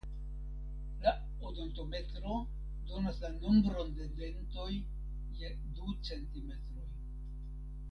La odontometro donas la nombron de dentoj je du centimetroj.